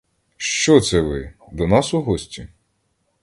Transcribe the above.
Що це ви, до нас у гості?